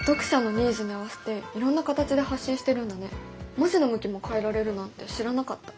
文字の向きも変えられるなんて知らなかった。